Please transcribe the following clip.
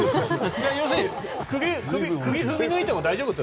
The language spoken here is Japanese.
要するに釘を踏み抜いても大丈夫と。